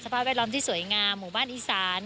ภาพแวดล้อมที่สวยงามหมู่บ้านอีสาน